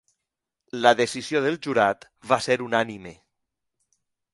La decisió del jurat va ser unànime.